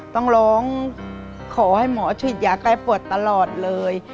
ต้องร้องขอให้หมอฉีดยาแก้ปวดตลอดเลย